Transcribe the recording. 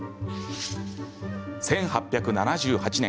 １８７８年